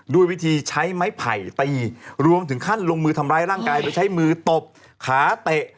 ด้วยวิธีใช้ไม้ไผ่ตีรวมถึงขั้นลงมือทำร้ายร่างกายโดยใช้มือตบขาเตะ